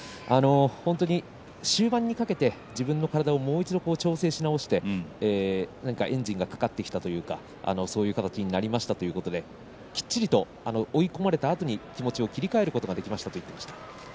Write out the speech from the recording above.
終盤にかけて自分の体をもう一度調整し直してエンジンがかかってきたというかそういう形になりましたということできっちりと追い込まれたあとで気持ちを切り替えることができましたと話していました。